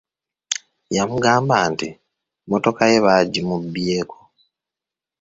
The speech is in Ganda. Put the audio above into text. Yamugamba nti mmotoka ye baagimubbyeko.